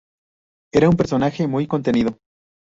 Era un personaje muy contenido.